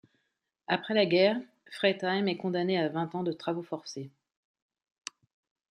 Après la guerre, Fretheim est condamné à vingt ans de travaux forcés.